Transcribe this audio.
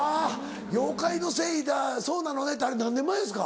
「妖怪のせいだそうなのね」ってあれ何年前ですか？